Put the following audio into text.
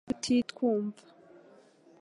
Turashobora kuvugana hano tutiriwe twumva .